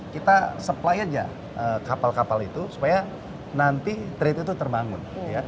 kita supply aja kapal kapal itu supaya nanti trade itu terbangun